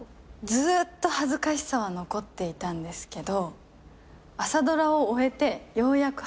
ずーっと恥ずかしさは残っていたんですけど朝ドラを終えてようやく恥ずかしさが消えました。